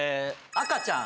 赤ちゃん。